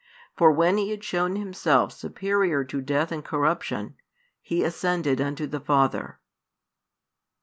For when He had shown Himself superior to death and corruption, He ascended unto the Father.